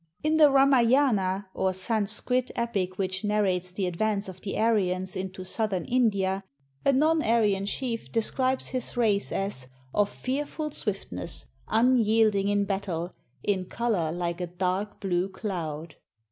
In the "Ramayana," or Sanskrit epic which narrates the ad vance of the Aryans into southern India, a non Aryan chief describes his race as "of fearful swiftness, un yielding in battle, in color like a dark blue cloud."